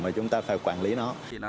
và chúng ta phải quản lý nó